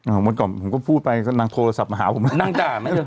เออวันก่อนผมก็พูดไปนางโทรศัพท์มาหาผมนางด่าไหมเธอ